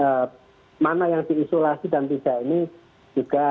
terlebih malam kita tidak bisa menemukan orang orang yang masuk ke kota malang ini juga agak susah